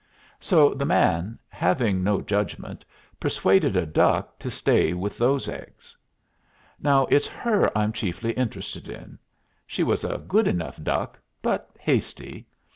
So the man, having no judgment, persuaded a duck to stay with those eggs. Now it's her I'm chiefly interested in. She was a good enough duck, but hasty.